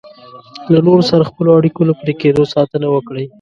له نورو سره د خپلو اړیکو له پرې کېدو ساتنه وکړئ.